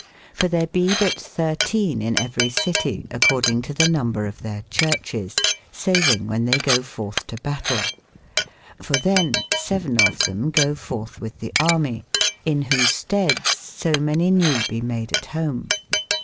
for there be butxiij. in every citie, accordinge to thenumber of their church/ es, savyng when they go furthe to bat tell, for than vij. of them goo f urth with the armie: in whose steades so manie newe be made at home.